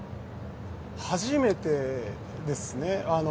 初めてですね。